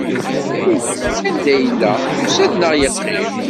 I gma-k, anda i yella? Yusa-d neɣ yeqqim?